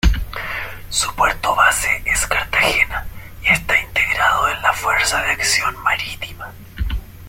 Su puerto base es Cartagena, y está integrado en la fuerza de acción marítima.